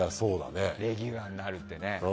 レギュラーになるってね。